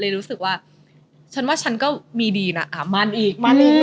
เลยรู้สึกว่าฉันว่าฉันก็มีดีนะอ่ามั่นอีก